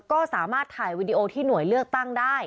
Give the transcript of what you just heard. ก็สามารถถ่ายวีดีโอที่หน่วยเลือกตั้งได้